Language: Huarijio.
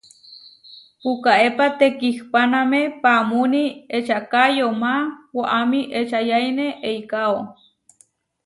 Pukaépa tekihpáname paamúni ečaká yomá, waʼámi ečayáine eikáo.